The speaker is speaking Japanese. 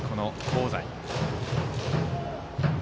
香西。